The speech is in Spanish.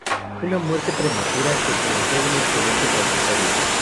Una muerte prematura que truncó una excelente trayectoria.